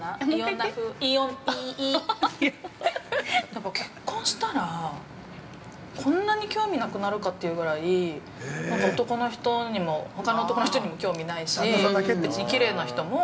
◆なんか、結婚したら、こんなに興味なくなるかっていうぐらい、なんか、男の人にもほかの男の人にも興味ないし、別にきれいな人も。